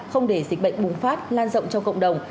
không để dịch bệnh bùng phát lan rộng trong cộng đồng